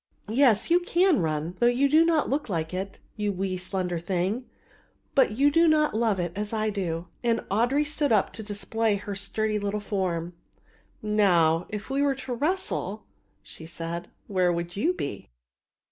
"Yes, you can run, though you do not look like it, you wee slender thing, but you do not love it as I do;" and Audry stood up to display her sturdy little form. "Now if we were to wrestle," she said, "where would you be?"